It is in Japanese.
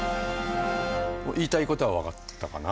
言いたいことは分かったかな。